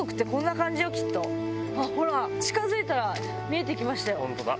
あっほら近づいたら見えてきましたよ。